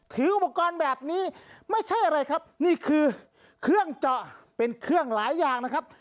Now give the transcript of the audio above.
ถืออุปกรณ์แบบนี้ไม่ใช่อะไรครับนี่คือเครื่องเจาะเป็นเครื่องหลายอย่างนะครับ